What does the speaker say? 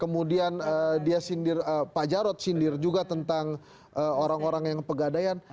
kemudian dia sindir pak jarod sindir juga tentang orang orang yang pegadaian